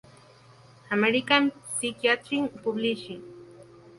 American Psychiatric Publishing.